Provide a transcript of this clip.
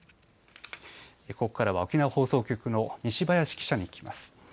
ここからは沖縄放送局の西林記者に聞きます。